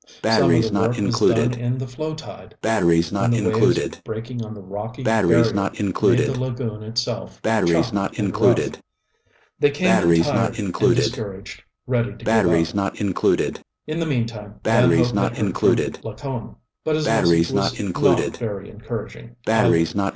Some of the work was done in the flow tide, when the waves breaking on the rocky barrier made the lagoon itself choppy and rough. They came in tired and discouraged, ready to give up. In the meantime Van Hope had heard from Lacone but his message was not very encouraging either.